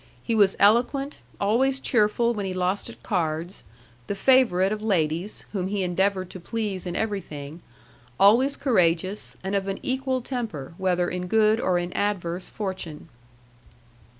He was eloquent, always cheerful when he lost at cards, the favourite of ladies, whom he endeavoured to please in everything, always courageous, and of an equal temper, whether in good or in adverse fortune.